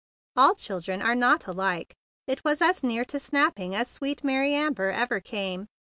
"All children are not alike." It was as near to snapping as sweet Mary Am¬ ber ever came.